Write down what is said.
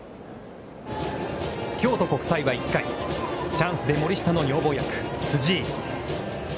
京都国際は１回、チャンスで森下の女房役辻井。